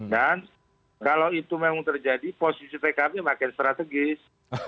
dan kalau itu memang terjadi posisi tkb makin strategis